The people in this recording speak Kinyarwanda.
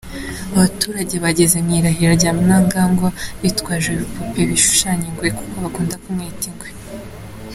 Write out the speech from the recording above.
Abaturage bageze mu irahira rya Mnangagwa bitwaje ibipupe bishushanya ingwe kuko bakunda kumwita Ingwe.